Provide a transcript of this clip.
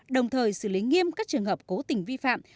đồng thời xử lý nghiêm các trường hợp cố tình vi phạm